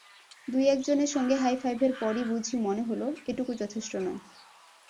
দু-একজনের সঙ্গে হাই ফাইভের পরই বুঝি মনে হলো, এটুকু যথেষ্ট নয়।